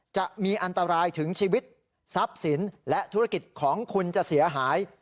จะมีอันตรายถึงชีวิตทรัพย์สินและธุรกิจของคุณจะเสียหาย